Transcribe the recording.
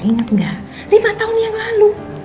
ingat nggak lima tahun yang lalu